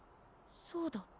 そうだ